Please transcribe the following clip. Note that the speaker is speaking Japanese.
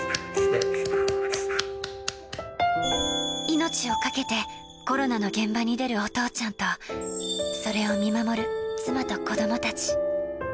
命を懸けてコロナの現場に出るお父ちゃんと、それを見守る妻と子どもたち。